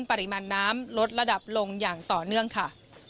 ปริมาณน้ำลดระดับลงอย่างต่อเนื่องค่ะ